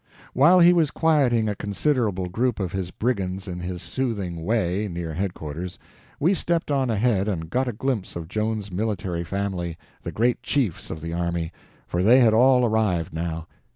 While he was quieting a considerable group of his brigands in his soothing way, near headquarters, we stepped on ahead and got a glimpse of Joan's military family, the great chiefs of the army, for they had all arrived now.